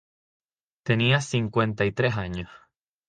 Tenía cincuenta y tres años.